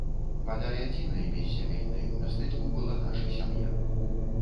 Бадай адзінай беззямельнай у мястэчку была наша сям'я.